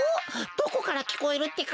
どこからきこえるってか？